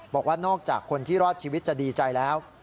บอกว่านอกจากคนที่รอดชีวิตจะดีใจแล้ว